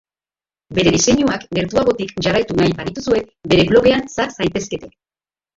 Bere diseinuak gertuagotik jarraitu nahi badituzue, bere blogean sar zaitezkete.